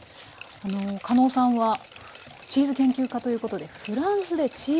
かのうさんはチーズ研究家ということでフランスでチーズ修業。